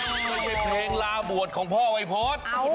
ไม่ใช่เพลงลาบวชของพ่อวัยพฤษ